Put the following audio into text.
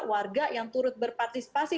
warga yang turut berpartisipasi